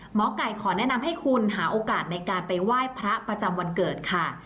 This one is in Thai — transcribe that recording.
หมอไก่ขอแนะนำให้คุณหาโอกาสในการไปไหว้พระประจำวันเกิดค่ะ